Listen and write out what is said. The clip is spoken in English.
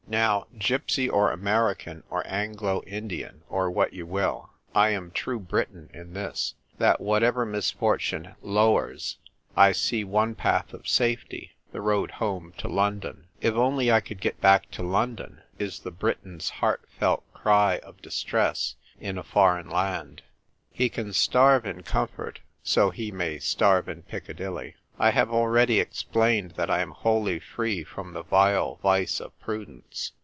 Now, gypsy or American or Anglo Indian or what you will, I am true Briton in this, that whatever misfortune lowers, I sec one path of safety — the road home to London. " If only I could get back to London !" is the Briton's heart felt cry of distress in a foreign land. He can starve in comfort, so he may starve in Piccadilly. I have already explained that I am wholly free from the vile vice of prudence.